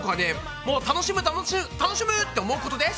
もう楽しむ楽しむ楽しむって思うことです！